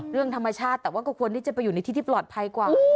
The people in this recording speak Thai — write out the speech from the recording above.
เรื่องธรรมชาติแต่ว่าก็ควรที่จะไปอยู่ในที่ที่ปลอดภัยกว่า